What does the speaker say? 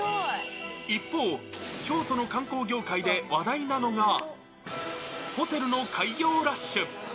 一方、京都の観光業界で話題なのが、ホテルの開業ラッシュ。